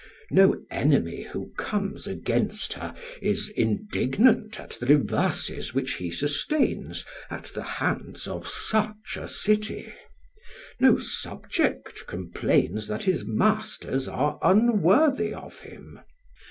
No enemy who comes against her is indignant at the reverses which he sustains at the hands of such a city; no subject complains that his masters are unworthy of him.